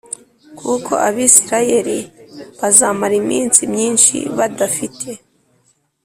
Kuko Abisirayeli bazamara iminsi myinshi badafite